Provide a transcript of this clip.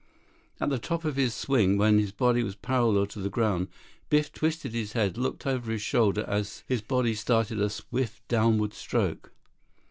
At the top of his swing, when his body was parallel to the ground, Biff twisted his head, looking over his shoulder as his body started a swift downward stroke.